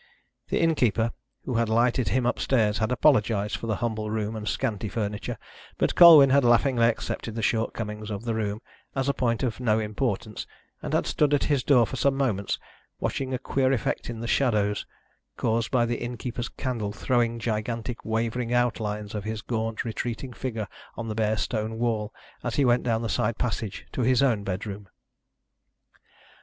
The innkeeper, who had lighted him upstairs, had apologised for the humble room and scanty furniture, but Colwyn had laughingly accepted the shortcomings of the room as a point of no importance, and had stood at his door for some moments watching a queer effect in shadows caused by the innkeeper's candle throwing gigantic wavering outlines of his gaunt retreating figure on the bare stone wall as he went down the side passage to his own bedroom.